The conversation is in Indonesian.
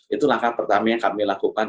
itu langkah pertama yang kami lakukan